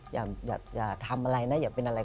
อย่าทำอะไรนะอย่าเป็นอะไร